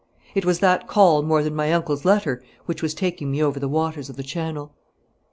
It was that call more than my uncle's letter which was taking me over the waters of the Channel.